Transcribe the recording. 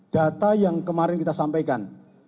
data yang kemarin kita sampaikan